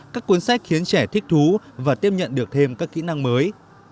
các cuốn sách khiến trẻ thích thú và tiếp nhận được thêm các kỹ năng mới